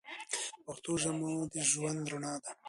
پښتو ژبه مو د ژوند رڼا ده.